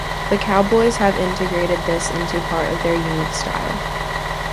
The Cowboys have integrated this into part of their unique style.